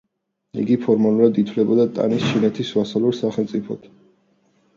იგი ფორმალურად ითვლებოდა ტანის ჩინეთის ვასალურ სახელმწიფოდ.